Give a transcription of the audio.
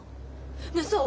ねっそう？